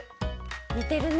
にてるね。